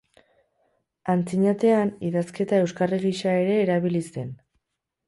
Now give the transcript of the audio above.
Antzinatean, idazketa euskarri gisa ere erabili zen.